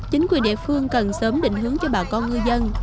chính quyền địa phương cần sớm định hướng cho bà con ngư dân